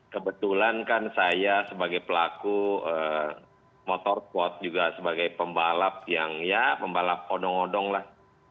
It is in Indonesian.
kebetulan kan saya sebagai pelaku motor quot juga sebagai pembalap yang ya pembalap odong odong lah